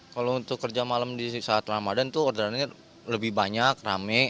kalau untuk kerja malam di saat ramadhan itu orderannya lebih banyak rame